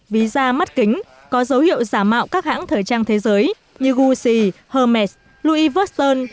ví da mắt kính có dấu hiệu giả mạo các hãng thời trang thế giới như gucci hermès louis vuitton